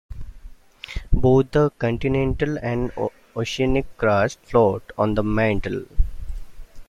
Both the continental and oceanic crust "float" on the mantle.